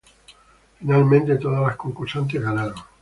Finalmente, todas las concursantes ganaron.